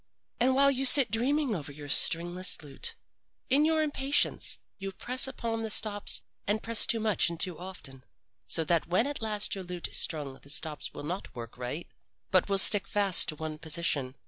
And while you sit dreaming over your stringless lute, in your impatience you press upon the stops and press too much and too often, so that when at last your lute is strung the stops will not work right, but will stick fast in one position.